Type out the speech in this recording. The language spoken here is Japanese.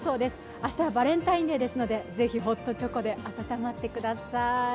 明日はバレンタインデーですのでぜひホットチョコで温まってください。